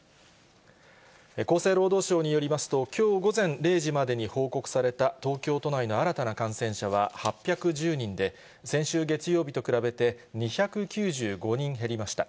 厚生労働省によりますと、きょう午前０時までに報告された東京都内の新たな感染者は８１０人で、先週月曜日と比べて２９５人減りました。